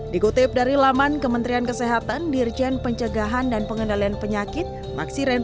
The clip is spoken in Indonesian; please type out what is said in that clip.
dikutip dari laman kementerian kesehatan dirjen pencegahan dan pengendalian penyakit maxiren